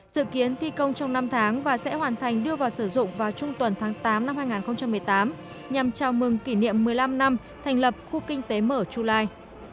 dự kiến thi công trong năm tháng và sẽ hoàn thành đưa vào sử dụng vào trung tuần tháng tám năm hai nghìn một mươi tám nhằm chào mừng kỷ niệm một mươi năm năm thành lập khu kinh tế mở chu lai